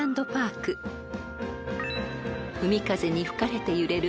［海風に吹かれて揺れる